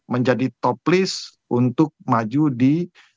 menjadi top list untuk maju di